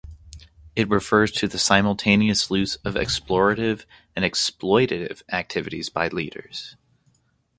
It refers to the simultaneous use of explorative and exploitative activities by leaders.